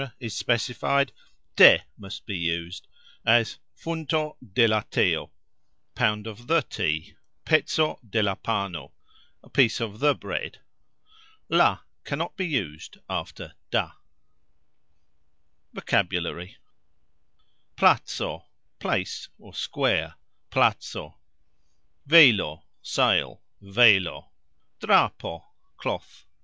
is specified, "de" must be used, as "Funto de la teo", A pound of the tea; "Peco de la pano", A piece of the bread. "La" cannot be used after "da." VOCABULARY. placo : place, square. peco : piece. velo : sail. sumo : sum. drapo : cloth.